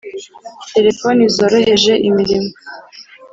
terefoni zoroheje imirimo